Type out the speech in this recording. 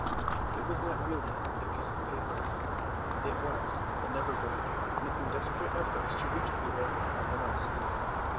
It was not really a piece of paper; it was the Never bird, making desperate efforts to reach Peter on the nest.